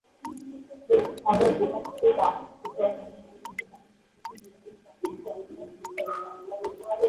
প্রধান খাবার পোকামাকড়, পাখি, ছোট আকারের মেরুদণ্ডী প্রাণী, টিকটিকি, মৃতদেহ, শাকসবজি, আখের রস, ভুট্টা ইত্যাদি।